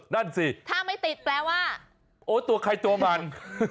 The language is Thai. นั่นสิถ้าไม่ติดแปลว่าโอ้ตัวใครตัวมัน